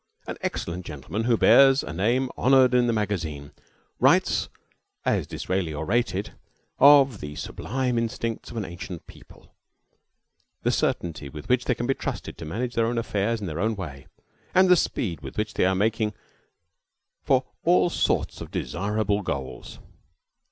An excellent gentleman, who bears a name honored in the magazine, writes, much as Disraeli orated, of "the sublime instincts of an ancient people," the certainty with which they can be trusted to manage their own affairs in their own way, and the speed with which they are making for all sorts of desirable goals.